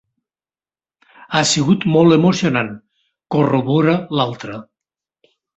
Ha sigut molt emocionant —corrobora l'altra.